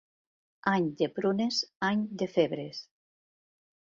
Any de prunes, any de febres.